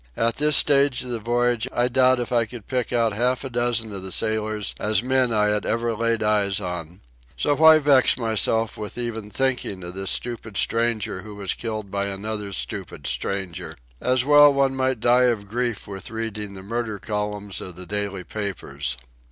At this stage of the voyage I doubt if I could pick out half a dozen of the sailors as men I had ever laid eyes on. So why vex myself with even thinking of this stupid stranger who was killed by another stupid stranger? As well might one die of grief with reading the murder columns of the daily papers."